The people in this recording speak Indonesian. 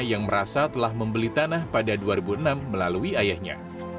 yang merasa telah membeli tanah pada dua ribu enam melalui ayahnya